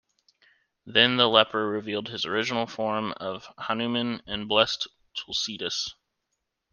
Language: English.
Then the leper revealed his original form of Hanuman and blessed Tulsidas.